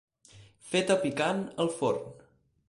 Feta picant al forn.